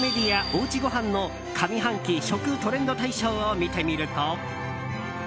おうちごはんの上半期食トレンド大賞を見てみると。